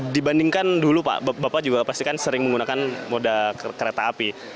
dibandingkan dulu pak bapak juga pastikan sering menggunakan mode kereta api